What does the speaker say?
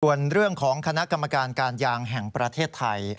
ส่วนเรื่องของคณะกรรมการการยางแห่งประเทศไทย